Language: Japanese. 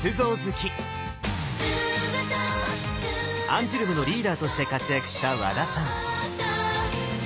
アンジュルムのリーダーとして活躍した和田さん。